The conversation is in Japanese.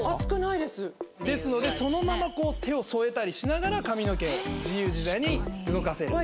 ですのでそのまま手を添えたりしながら髪の毛を自由自在に動かせる。